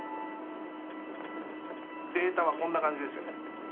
データはこんな感じですよね。